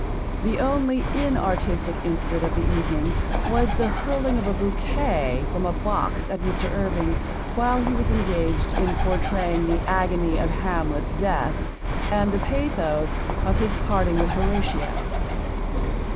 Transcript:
The only inartistic incident of the evening was the hurling of a bouquet from a box at Mr. Irving while he was engaged in pourtraying the agony of Hamlet's death, and the pathos of his parting with Horatio.